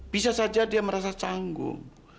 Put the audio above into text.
bisa saja dia merasa canggung